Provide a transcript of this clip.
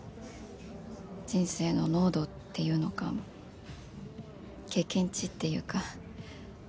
人生の濃度っていうのか経験値っていうか。